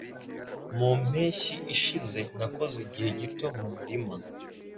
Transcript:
Mu mpeshyi ishize, nakoze igihe gito mu murima.